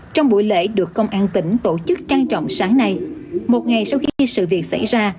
trong buổi lễ được công an tỉnh tổ chức trang trọng sáng nay một ngày sau khi sự việc xảy ra